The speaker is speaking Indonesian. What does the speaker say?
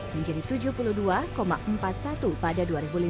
menjadi tujuh puluh dua empat puluh satu pada dua ribu lima belas